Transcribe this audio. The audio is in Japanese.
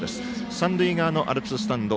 三塁側アルプススタンド